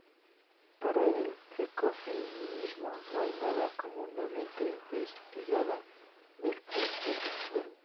Para el ecofeminismo no hay nada como una mente desligada del cuerpo.